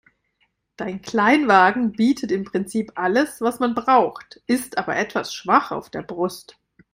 Dein Kleinwagen bietet im Prinzip alles, was man braucht, ist aber etwas schwach auf der Brust.